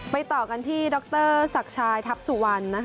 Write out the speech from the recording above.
ต่อกันที่ดรศักดิ์ชายทัพสุวรรณ